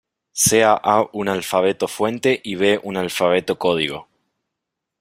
Sea A un alfabeto fuente y B un alfabeto código.